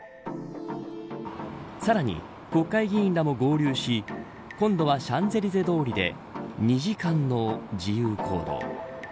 さらに国会議員らも合流し今度はシャンゼリゼ通りで２時間の自由行動。